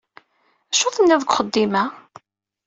Acu tenniḍ deg uxeddim-a?